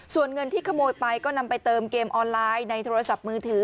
ส่วนเงินที่ขโมยไปก็นำไปเติมเกมออนไลน์ในโทรศัพท์มือถือ